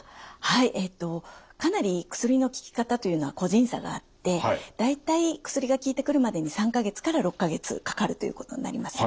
はいかなり薬の効き方というのは個人差があって大体薬が効いてくるまでに３か月から６か月かかるということになります。